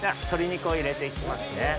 鶏肉を入れて行きますね。